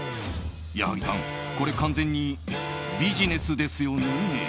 矢作さん、これ完全にビジネスですよね？